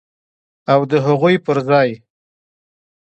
او د هغوی پر ځای